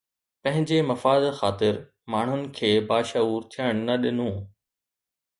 پنهنجي مفاد خاطر ماڻهن کي باشعور ٿيڻ نه ڏنو